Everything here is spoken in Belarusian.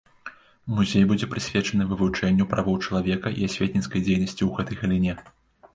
Музей будзе прысвечаны вывучэнню правоў чалавека і асветніцкай дзейнасці ў гэтай галіне.